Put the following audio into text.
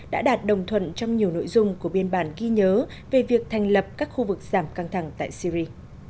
đã đạt đồng thuận trong nhiều nội dung của biên bản ghi nhớ về việc thành lập các khu vực giảm căng thẳng tại syri